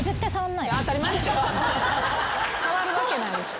触るわけないでしょ。